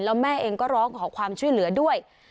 แล้วแม่เองก็ร้องขอความช่วยเหลือด้วย